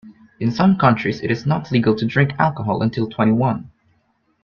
In some countries it is not legal to drink alcohol until twenty-one